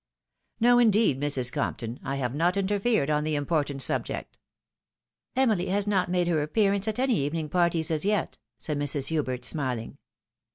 " No, indeed, Mrs. Compton, I have not interfered on the important subject." " Enuly has not made her appearance at any evening parties as yet," said Mrs.'Hubert, smiling.